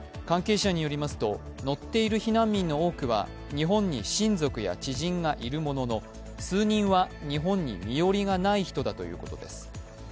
関係者によりますと乗っている避難民の多くは日本に親族や知人がいるものの数人は日本に身寄りがない人だということです。